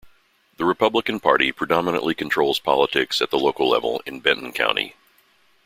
The Republican Party predominantly controls politics at the local level in Benton County.